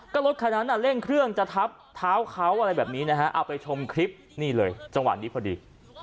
ก็รถคันนั้นเร่งเครื่องจะทับเท้าเขาอะไรแบบนี้นะฮะเอาไปชมคลิปนี่เลยจังหวะนี้พอดี